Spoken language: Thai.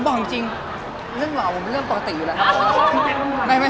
ไม่มีผมบอกจริงเรื่องเหล่าผมเรื่องปกติอยู่แล้วครับ